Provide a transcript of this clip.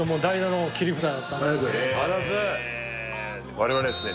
我々ですね